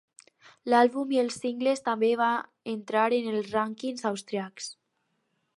L'àlbum i els singles també van entrar en els rànquings austríacs.